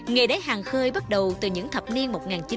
nghề đáy hàng khơi bắt đầu từ những thập niên một nghìn chín trăm bảy mươi